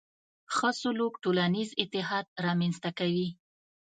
ښه سلوک ټولنیز اتحاد رامنځته کوي.